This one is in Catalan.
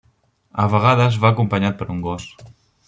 A vegades va acompanyat per un gos.